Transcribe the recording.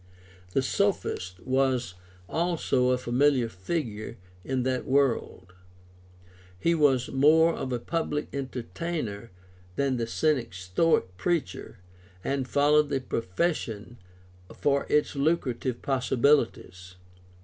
The sophist was also a familiar figure in that world. He was more of a public entertainer than the Cynic Stoic preacher, and followed the profession for its lucrative possibilities.